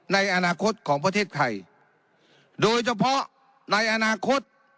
ในอนาคตของประเทศไทยโดยเฉพาะในอนาคต